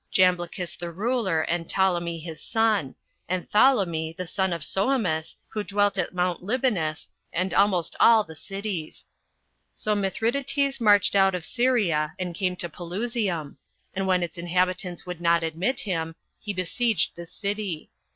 Jamblicus the ruler, and Ptolemy his son, and Tholomy the son of Sohemus, who dwelt at Mount Libanus, and almost all the cities. So Mithridates marched out of Syria, and came to Pelusium; and when its inhabitants would not admit him, he besieged the city.